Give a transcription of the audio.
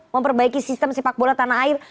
memperbaiki sistem sepak bola tanah air